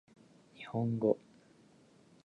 日本語